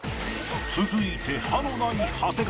続いて歯のない長谷川